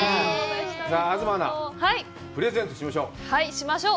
東アナ、プレゼントしましょう！